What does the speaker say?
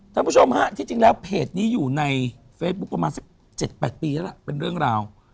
ท่านผู้ชมฮะที่จริงแล้วเพจนี้อยู่ในเฟซบุ๊คประมาณสัก๗๘ปีแล้วล่ะเป็นเรื่องราว